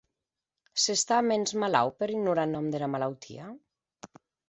S’està mens malaut per ignorar eth nòm dera malautia?